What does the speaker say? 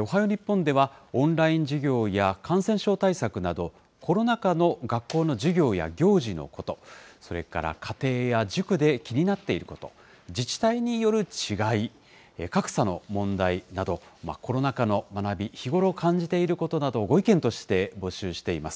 おはよう日本では、オンライン授業や感染症対策など、コロナ禍の学校の授業や行事のこと、それから家庭や塾で気になっていること、自治体による違い、格差の問題など、コロナ禍の学び、日頃感じていることなどをご意見として募集しています。